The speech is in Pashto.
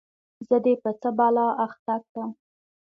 زه دي په څه بلا اخته کړم ؟